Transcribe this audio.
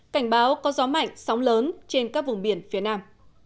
cảnh báo có gió mạnh sóng lớn trên các vùng biển phía nam